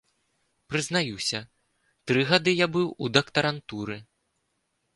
Прызнаюся, тры гады я быў у дактарантуры.